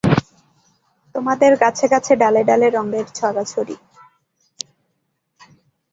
তোমাদের গাছে গাছে ডালে ডালে রঙের ছড়াছড়ি।